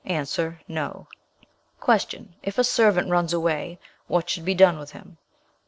A. 'No.' "Q. If a servant runs away, what should be done with him?